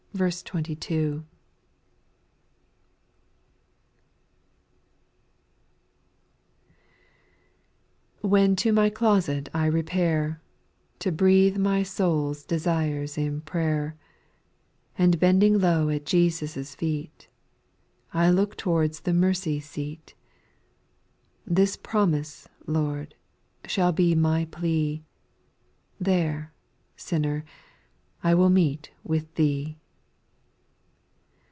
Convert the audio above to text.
TT7HEN to my closet I repair, T T To breathe my souFs desires in prayer, And bending low at Jesus' feet, I look towards the mercy seat. This promise. Lord, shall be my plea — There^ sinner, I will meet with Thee.